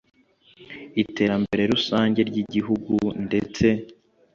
iterambere rusange ry igihugu ndetse